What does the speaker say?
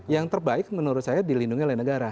yang terbaik menurut saya dilindungi oleh negara